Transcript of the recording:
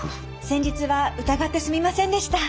先日は疑ってすみませんでした。